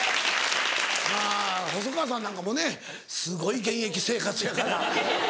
まぁ細川さんなんかもねすごい現役生活やから。